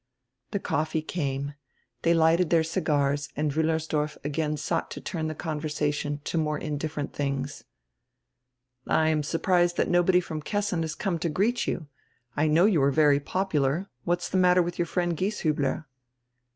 '" The coffee came. They lighted their cigars and Wiillers dorf again sought to turn the conversation to more in different tilings. "I am surprised that nobody from Kessin has come to greet you. I know you were very pop ular. What is the matter with your friend Gieshiibler?"